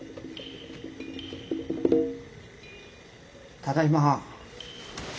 ただいま。